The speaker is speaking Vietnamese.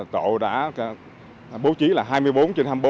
tổ đã bố trí là hai mươi bốn trên hai mươi bốn